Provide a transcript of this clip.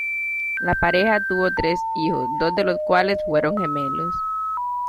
La pareja tuvo tres hijos, dos de los cuales fueron gemelos.